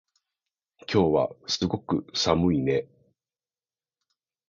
今日はすごく寒いね